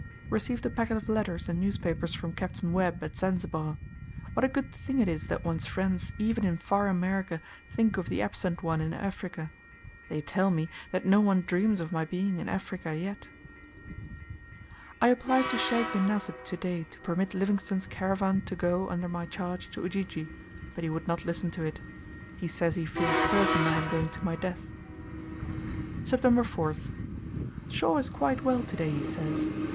Received a packet of letters and newspapers from Capt. Webb, at Zanzibar. What a good thing it is that one's friends, even in far America, think of the absent one in Africa! They tell me, that no one dreams of my being in Africa yet! I applied to Sheikh bin Nasib to day to permit Livingstone's caravan to go under my charge to Ujiji, but he would not listen to it. He says he feels certain I am going to my death. September 4th. Shaw is quite well to day, he says.